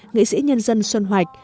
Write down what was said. nghệ sĩ nhân dân xuân hoạch